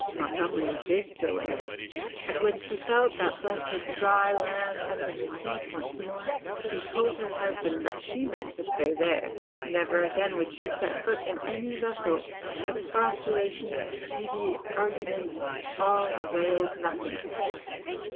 Montgomery did go in it; and when she felt that blessed dry land under her feet once more, she told her husband that she meant to stay there. Never again would she set foot in any vessel. Exposmladon, entreaty, argument, all availed nothing.